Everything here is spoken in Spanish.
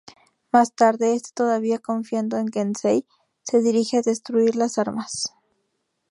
Más tarde, este todavía confiando en Kensei se dirige a destruir las armas.